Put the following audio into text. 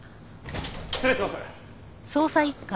失礼します。